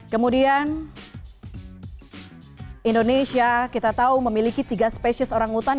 kemudian indonesia kita tahu memiliki tiga spesies orang hutan